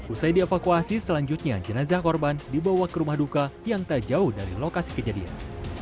usai dievakuasi selanjutnya jenazah korban dibawa ke rumah duka yang tak jauh dari lokasi kejadian